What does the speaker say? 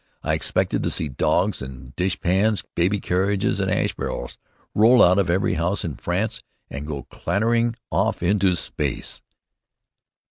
I expected to see dogs and dishpans, baby carriages and ash barrels roll out of every house in France, and go clattering off into space.